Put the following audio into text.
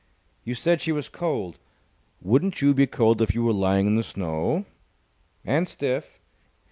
"You said she was cold." "Wouldn't you be cold if you were lying in the snow?" "And stiff."